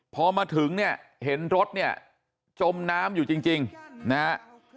พอมาถึงเนี่ยเห็นรถเนี่ยจมน้ำอยู่จริงนะฮะ